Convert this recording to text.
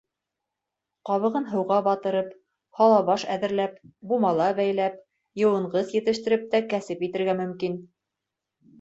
Ҡабығын һыуға батырып, һалабаш әҙерләп, бумала бәйләп, йыуынғыс етештереп тә кәсеп итергә мөмкин.